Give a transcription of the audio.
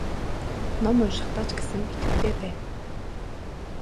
Ном уншихдаа ч гэсэн идэвхтэй бай.